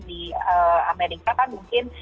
di amerika kan mungkin